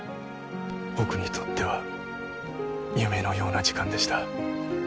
僕にとっては夢のような時間でした。